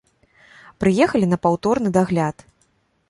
Прыехалі на паўторны дагляд.